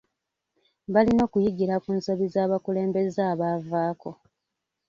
Balina okuyigira ku nsobi z'abakulembeze abaavaako.